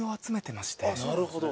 ・なるほど。